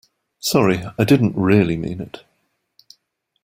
Sorry, I really didn't mean it.